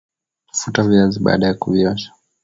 Futa viazi baada ya kuviosha